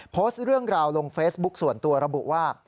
โพสต์เรื่องราวลงเฟซบุ๊คส่วนตัวระบุว่า